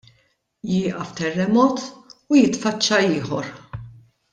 Jieqaf terremot u jitfaċċa ieħor!